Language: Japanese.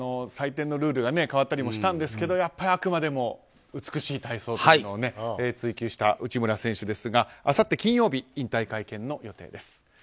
採点のルールが変わったりもしたんですけどあくまでも美しい体操というのを追求した内村選手ですが、あさって金曜日引退会見の予定です。